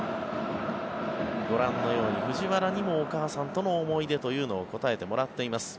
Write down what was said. ご覧のように藤原にもお母さんとの思い出というのを答えてもらっています。